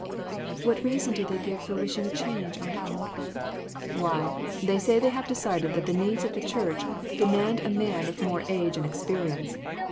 "What reason do they give for wishing a change, Aunt Hannah ?" "Why, they say they have decided that the needs of the church demand a man of more age and experience.